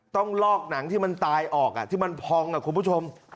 ต้องลอกหนังที่มันตายออกที่มันพองคุณผู้ชม